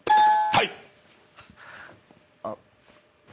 はい！